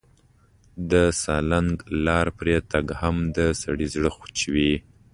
د سالنګ لار پرې تګ هم د سړي زړه چوي.